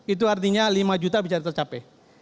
itu artinya lima juta bisa tercapai